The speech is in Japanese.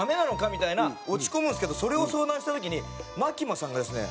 みたいな落ち込むんですけどそれを相談した時にマキマさんがですね